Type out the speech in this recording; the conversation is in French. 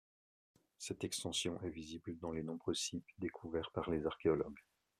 Cette extension est visible dans les nombreux cippes découverts par les archéologues.